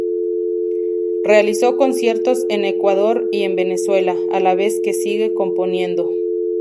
Realizó conciertos en Ecuador y en Venezuela, a la vez que sigue componiendo.